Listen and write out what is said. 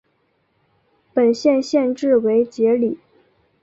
本县县治为杰里。